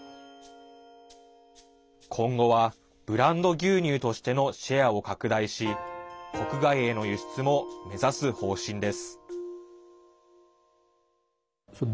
今後は、ブランド牛乳としてのシェアを拡大し国外への輸出も目指す方針です。